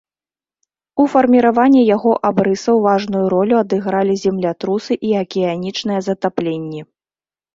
У фарміраванні яго абрысаў важную ролю адыгралі землятрусы і акіянічныя затапленні.